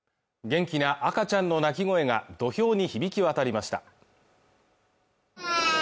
元気な赤ちゃんの泣き声が土俵に響き渡りました